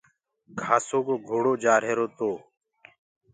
گھآسو ڪو گھوڙو جآ رهرو تو۔